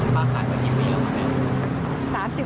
ป้าขายกันกี่ปีแล้วมั้งแนว